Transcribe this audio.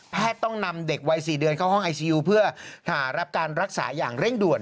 ต้องนำเด็กวัย๔เดือนเข้าห้องไอซียูเพื่อหารับการรักษาอย่างเร่งด่วน